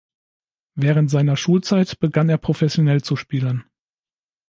Während seiner Schulzeit begann er professionell zu spielen.